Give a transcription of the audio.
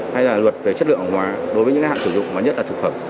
hay là luật về chất lượng hỏa đối với những hạn sử dụng mà nhất là thực hầm